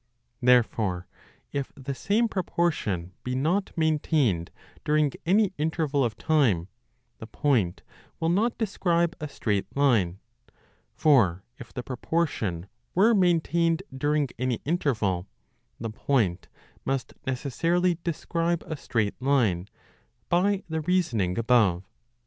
Therefore, if the same proportion be not main tained during any interval of time, the point will not describe a straight line ; for, if the proportion were main tained during any interval, the point must necessarily describe a straight line, by the reasoning above.